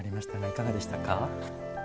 いかがでしたか？